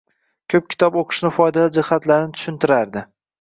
Koʻp kitob oʻqishni foydali jihatlarini tushuntirardi.